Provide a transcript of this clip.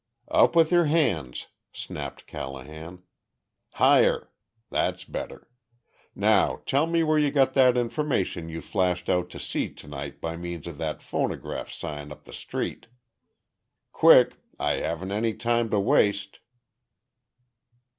"Up with your hands!" snapped Callahan. "Higher! That's better. Now tell me where you got that information you flashed out to sea to night by means of that phonograph sign up the street. Quick! I haven't any time to waste."